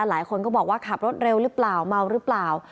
หลายคนก็บอกว่าขับรถเร็วหรือเปล่าเมาหรือเปล่า